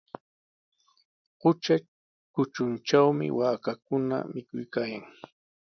Qutra kutruntrawmi waakakuna mikuykan.